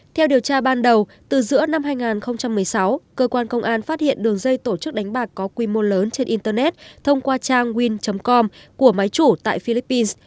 theo điều tra ban đầu từ giữa năm hai nghìn một mươi sáu cơ quan công an phát hiện đường dây tổ chức đánh bạc có quy mô lớn trên internet thông qua trang win com của máy chủ tại philippines